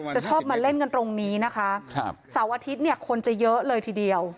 ชอบมาเล่นกันตรงนี้นะคะครับเสาร์อาทิตย์เนี่ยคนจะเยอะเลยทีเดียว